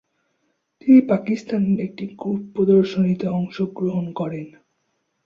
তিনি পাকিস্তানের একটি গ্রুপ প্রদর্শনীতে অংশগ্রহণ করেন।